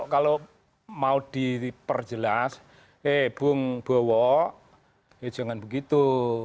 kalau mau diperjelas eh bung bowo ya jangan begitu